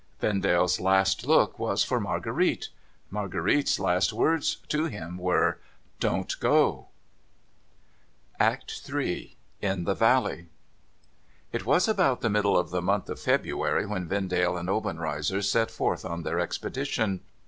Vendalc's last look was for Marguerite. Marguerite's last words to him were, ' Don't go !' ACT HI IN THE VALLEV It was about the middle of the month of February when Vendale and Obenreizer set forth on their expedition.